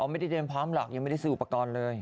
ไม่ได้เตรียมพร้อมหรอกยังไม่ได้ซื้ออุปกรณ์เลย